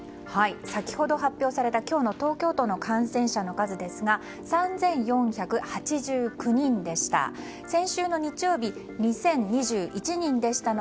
先ほど発表された今日の東京都の感染者の数ですが３４８９人でした。